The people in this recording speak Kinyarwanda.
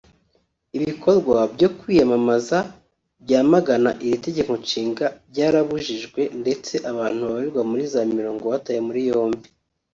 Ibikorwa byo kwiyamamaza byamagana iri tegekonshinga byarabujijwe ndetse abantu babarirwa muri mirongo batawe muri yombi